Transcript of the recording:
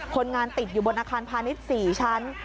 คนงานติดอยู่บนอาคารพาณิชย์๔ชั้น